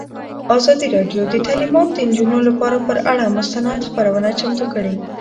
ازادي راډیو د تعلیمات د نجونو لپاره پر اړه مستند خپرونه چمتو کړې.